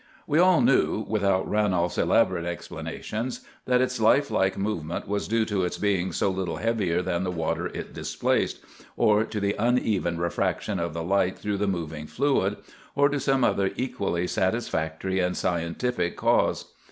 We all knew, without Ranolf's elaborate explanations, that its lifelike movement was due to its being so little heavier than the water it displaced, or to the uneven refraction of the light through the moving fluid, or to some other equally satisfactory and scientific cause.